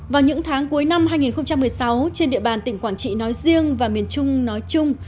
vào những tháng cuối năm hai nghìn một mươi sáu trên địa bàn tỉnh quảng trị nói riêng và miền trung nói chung